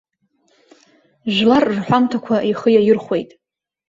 Жәлар рҳәамҭақәа ихы иаирхәеит.